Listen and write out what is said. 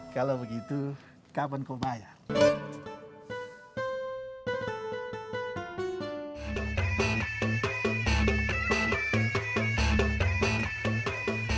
kalau begitu kapan kau bayar